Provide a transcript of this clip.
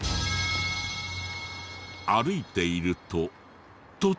歩いていると突然。